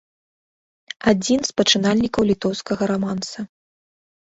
Адзін з пачынальнікаў літоўскага раманса.